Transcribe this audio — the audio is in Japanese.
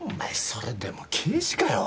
それでも刑事かよ？